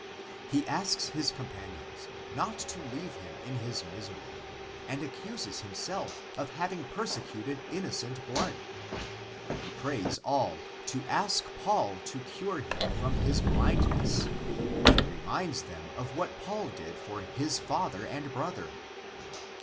He asks his companions not to leave him in his misery and accuses himself of having persecuted innocent blood. He prays all to ask Paul to cure him from his blindness and reminds them of what Paul did for his father and brother.